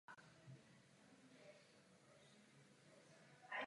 Socha byla odhalena na dvakrát.